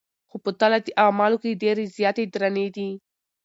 خو په تله د اعمالو کي ډېرې زياتي درنې دي